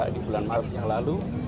di bulan maret yang lalu